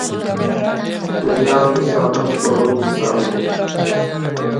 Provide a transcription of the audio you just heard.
رومیان د سالم خوړو مثال دی